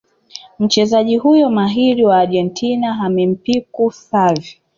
Mchezaji huyo mahiri wa Argentina amempiku Xavi